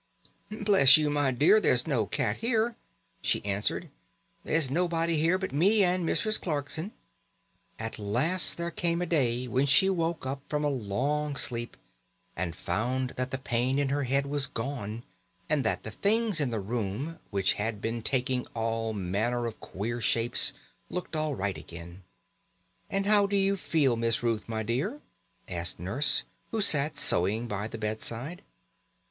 "Bless you, my dear, there's no cat here," she answered. "There's nobody been here but me and Mrs. Clarkson." At last there came a day when she woke up from a long sleep and found that the pain in her head was gone, and that the things in the room which had been taking all manner of queer shapes looked all right again. "And how do you feel, Miss Ruth, my dear?" asked Nurse, who sat sewing by the bedside.